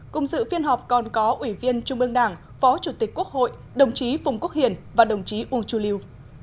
cùng sự phiên họp còn có ủy viên trung bương đảng phó chủ tịch quốc hội đồng chí phùng quốc hiền và đồng chí u chú liêu